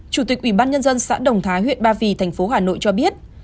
chủ tịch ủy ban nhân dân xã đồng thái huyện ba vì thành phố hà nội cho biết